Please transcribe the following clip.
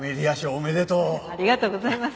ありがとうございます。